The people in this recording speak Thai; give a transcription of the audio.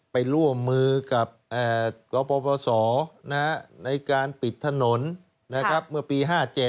ไปร่วมมือกับกปศในการปิดถนนเมื่อปี๕๗